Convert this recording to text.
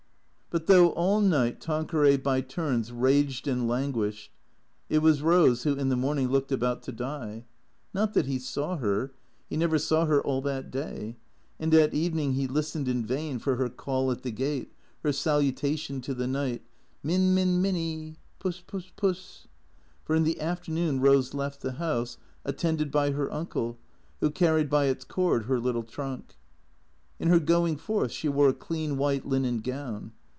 But, though all night Tanqueray by turns raged and lan guished, it was Eose who, in the morning, looked about to die. Not that he saw her. He never saw her all that day. And at evening he listened in vain for her call at the gate, her saluta tion to the night :" Min — Min — Minny ! Puss — Puss — Puss !" For in the afternoon Eose left the house, attended by her uncle, who carried by its cord her little trunk. In her going forth she wore a clean white linen gown.